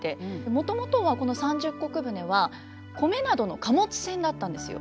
もともとはこの三十石船は米などの貨物船だったんですよ。